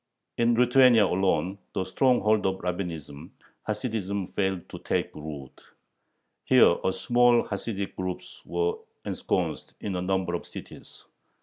In Lithuania alone, the stronghold of Rabbinism, Hasidism failed to take root. Here a few small Hasidic groups were ensconced in a number of cities.